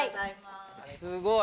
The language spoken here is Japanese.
すごい。